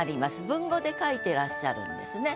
文語で書いてらっしゃるんですね。